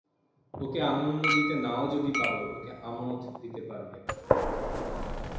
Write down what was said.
ওকে আনন্দ দিতে নাও যদি পার, ওকে আমোদ দিতে পারবে।